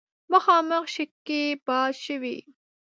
مخامخ شګې باد شوې.